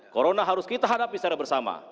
corona harus kita hadapi secara bersama